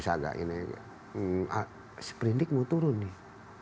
si prindik mau turun nih